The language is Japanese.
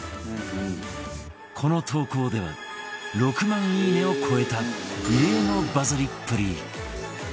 この投稿では６万いいねを超えた異例のバズりっぷり！